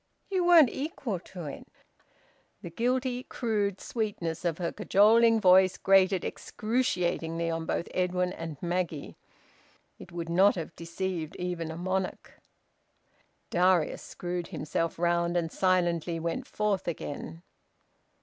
You weren't equal to it." The guilty crude sweetness of her cajoling voice grated excruciatingly on both Edwin and Maggie. It would not have deceived even a monarch. Darius screwed himself round, and silently went forth again.